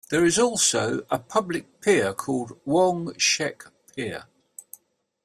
There is also a public pier called "Wong Shek Pier".